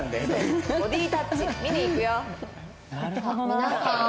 「皆さーん！」